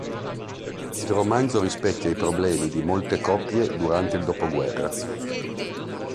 Il romanzo rispecchia i problemi di molte coppie durante il dopoguerra.